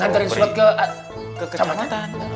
nganterin surat ke kecamatan